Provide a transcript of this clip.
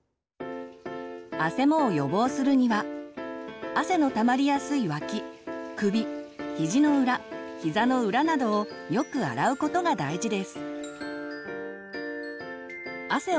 あせもを予防するには汗のたまりやすい脇首ひじの裏ひざの裏などをよく洗うことが大事です。